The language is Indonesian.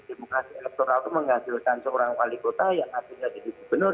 demokrasi elektoral itu menghasilkan seorang wali kota yang artinya jadi gubernur